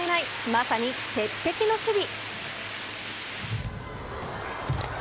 まさに鉄壁の守備。